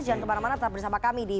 jangan kemana mana tetap bersama kami di